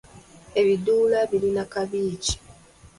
Ebiduula birina kabi ki?